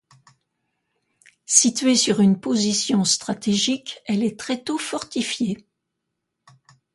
Située sur une position stratégique, elle est très tôt fortifiée.